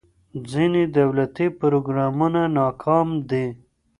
ځینې دولتي پروګرامونه ناکام دي.